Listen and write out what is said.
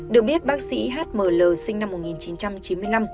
được biết bác sĩ h m l sinh năm một nghìn chín trăm chín mươi năm